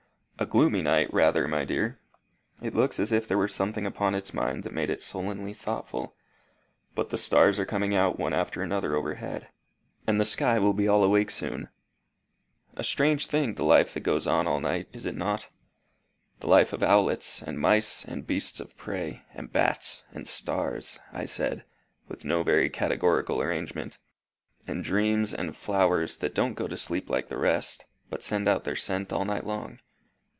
A gloomy night rather, my dear. It looks as if there were something upon its mind that made it sullenly thoughtful; but the stars are coming out one after another overhead, and the sky will be all awake soon. A strange thing the life that goes on all night, is it not? The life of owlets, and mice, and beasts of prey, and bats, and stars," I said, with no very categorical arrangement, "and dreams, and flowers that don't go to sleep like the rest, but send out their scent all night long.